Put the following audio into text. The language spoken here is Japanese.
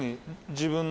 自分の？